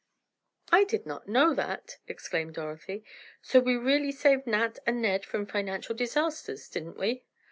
"I did not know that," exclaimed Dorothy. "So we really saved Nat and Ned from financial disasters; didn't we?"